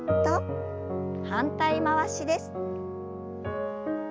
反対回しです。